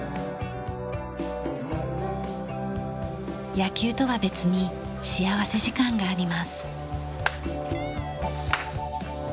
野球とは別に幸福時間があります。